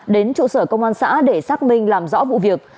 đến trụ sở công an xã để xác minh làm rõ vụ việc